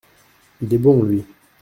Il est bon, lui !